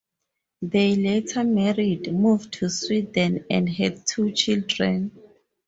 They later married, moved to Sweden, and had two children.